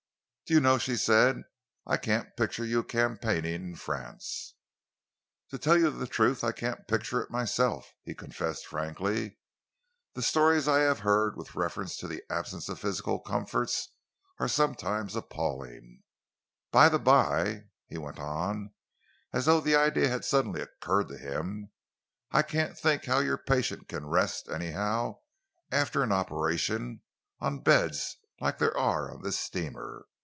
"Do you know," she said, "I can't picture you campaigning in France!" "To tell you the truth I can't picture it myself," he confessed frankly. "The stories I have heard with reference to the absence of physical comforts are something appalling. By the by," he went on, as though the idea had suddenly occurred to him, "I can't think how your patient can rest, anyhow, after an operation, on beds like there are on this steamer.